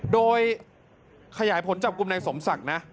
โดยขยายผลจับกลุ่มนายสมศักดิ์นะ